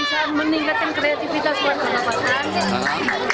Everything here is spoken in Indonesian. maksudnya ini bisa meningkatkan kreativitas warga wabah kan